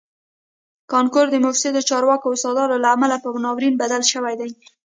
کانکور د مفسدو چارواکو او استادانو له امله په ناورین بدل شوی دی